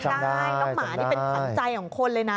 ได้น้องหมานี่เป็นขวัญใจของคนเลยนะ